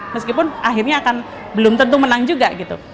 meskipun akhirnya akan belum tentu menang juga